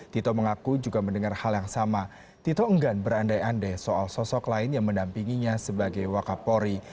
tito mengaku juga mendengar hal yang sama tito enggan berandai andai soal sosok lain yang mendampinginya sebagai wakapori